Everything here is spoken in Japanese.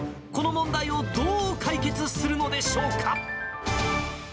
この問題をどう解決するのでしょうか。